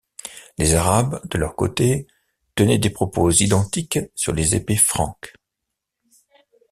Les Arabes, de leur côté, tenaient des propos identiques sur les épées franques.